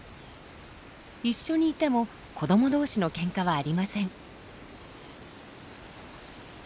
一緒にいても子ども同士のケンカはありません。